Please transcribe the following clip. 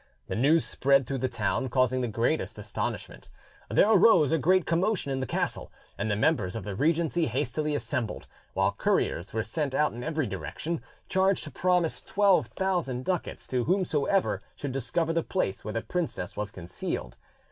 The news spread through the town, causing the greatest astonishment: there arose a great commotion in the castle, and the members of the regency hastily assembled, while couriers were sent out in every direction, charged to promise 12,000 ducats to whomsoever should discover the place where the princess was concealed.